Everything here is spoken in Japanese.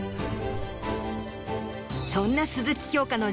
そんな鈴木京香の。